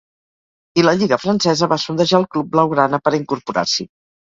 I la lliga francesa va sondejar el club blaugrana per a incorporar-s’hi.